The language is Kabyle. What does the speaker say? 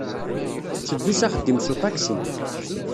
Tetteddu s axeddim s uṭaksi.